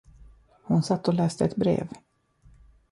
Hon satt och läste ett brev.